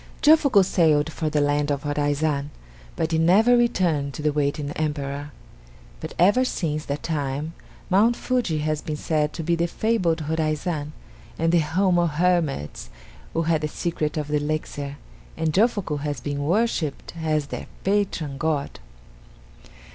Jofuku sailed for the land of Horaizan, but he never returned to the waiting Emperor; but ever since that time Mount Fuji has been said to be the fabled Horaizan and the home of hermits who had the secret of the elixir, and Jofuku has been worshipped as their patron god.